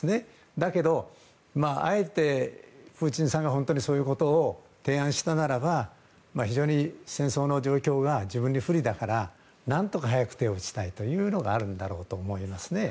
だけど、あえてプーチンさんが本当にそういうことを提案したならば非常に戦争の状況が自分に不利だから何とか早く手を打ちたいというのがあるんだろうと思いますね。